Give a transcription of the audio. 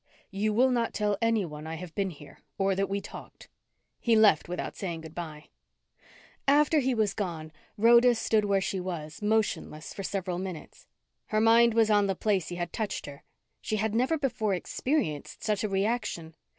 You will not tell anyone I have been here or that we talked." He left without saying good bye. After he was gone, Rhoda stood where she was, motionless, for several minutes. Her mind was on the place he had touched her. She had never before experienced such a reaction.